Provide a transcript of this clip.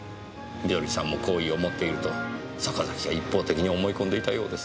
美登里さんも好意を持っていると坂崎が一方的に思い込んでいたようです。